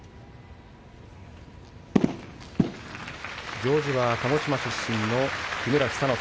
行司は鹿児島出身の木村寿之介